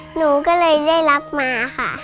หนูก็เลยได้รับมาค่ะ